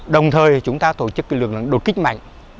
đồng thời chúng ta tổ chức lực lượng đột kích mạnh